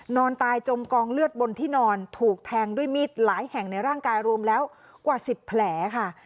นอนตายจมกองเลือดบนที่นอนถูกแทงด้วยมีดหลายแห่งในร่างกายรวมแล้วกว่า๑๐แผลค่ะ